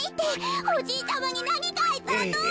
おじいちゃまになにかあったらどうするの！？